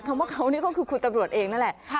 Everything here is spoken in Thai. คิดว่าเขาคือคุณตำรวจเองนั่นแหละ